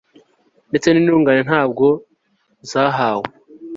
ndetse n'intungane nta bwo zahawe